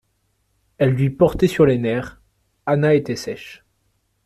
elle lui portait sur les nerfs. Anna était sèche